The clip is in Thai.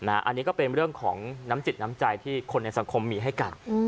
อันนี้ก็เป็นเรื่องของน้ำจิตน้ำใจที่คนในสังคมมีให้กัน